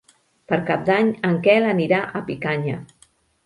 Per Cap d'Any en Quel anirà a Picanya.